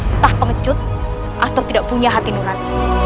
entah pengecut atau tidak punya hati nurani